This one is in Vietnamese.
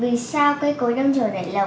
vì sao cây cối đâm trồn nảy lộng